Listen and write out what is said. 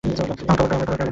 আমায় কভার করো।